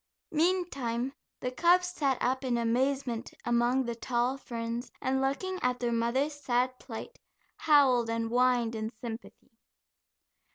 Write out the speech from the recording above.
Meantime, the cubs sat up in amazement among the tall ferns, and looking at their mother's sad plight, howled and whined in sympathy.